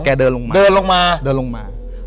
แกเดินลงมาเดินลงมาเดินลงมาเดินลงมา